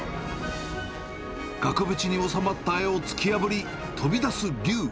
額縁に収まった絵を突き破り、飛び出す龍。